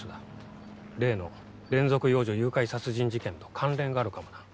例の連続幼女誘拐殺人事件と関連があるかもな。